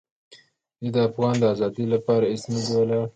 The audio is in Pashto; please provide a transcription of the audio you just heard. دوی د افغان د آزادۍ لپاره هېڅ نه دي ولاړ.